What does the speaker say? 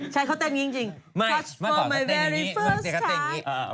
ใช่เขาแต่นอย่างนี้จริง